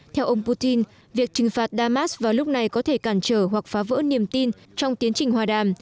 theo ông putin việc trừng phạt damas vào lúc này có thể cản trở hoặc phá vỡ niềm tin trong tiến trình hòa đàm